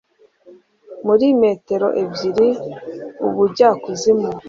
Muri metero ebyiri ubujyakuzimu